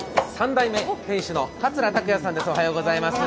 ３代目店主の桂卓哉さんです。